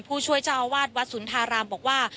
ผู้ช่วยเจ้าอาวาสวัดสุนทารามบอกว่า